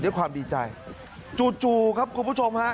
ด้วยความดีใจจู่ครับคุณผู้ชมฮะ